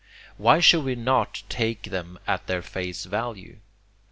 Why should we not take them at their face value?